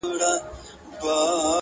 داسي چي حیران، دریان د جنگ زامن وي ناست.